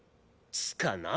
つかな